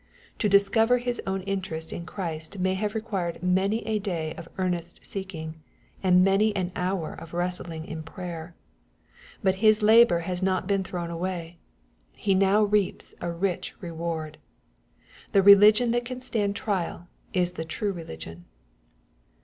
To discover his own interest in Christ may have required many a day of earnest seeking, and many an hour of wrestling in prayer. But his labor has not been thrown away. He now reaps a rich reward. The religion that can stand trial is the true religion.